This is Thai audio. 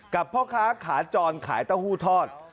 กับพ่อค้าขาธรรม์ขายเต้าหู้ทอด